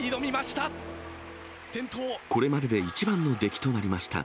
これまでで一番の出来となりました。